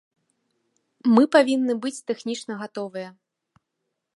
Мы павінны быць тэхнічна гатовыя.